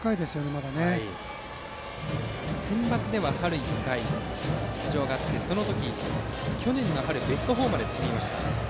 春のセンバツでは１回、出場があってその時、去年の春にベスト４まで進みました。